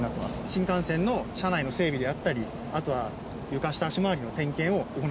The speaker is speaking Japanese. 新幹線の車内の整備であったりあとは床下足回りの点検を行ったりしております。